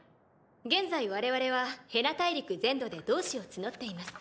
現在我々はヘナ大陸全土で同志を募っています。